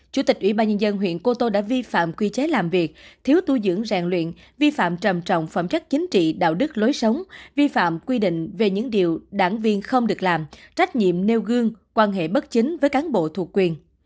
chủ tịch ủy ban nhân dân huyện cô tô đã vi phạm quy chế làm việc thiếu tu dưỡng rèn luyện vi phạm trầm trọng phẩm chất chính trị đạo đức lối sống vi phạm quy định về những điều đảng viên không được làm trách nhiệm nêu gương quan hệ bất chính với cán bộ thuộc quyền